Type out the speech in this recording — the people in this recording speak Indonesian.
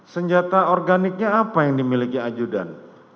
senjata organiknya apa yang dimiliki ajudan